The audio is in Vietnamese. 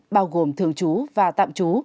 bao gồm thường trú và tạm trú